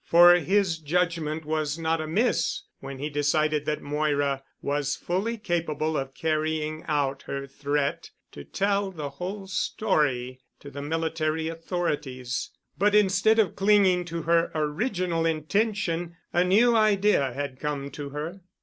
For his judgment was not amiss when he decided that Moira was fully capable of carrying out her threat to tell the whole story to the military authorities. But instead of clinging to her original intention, a new idea had come to her.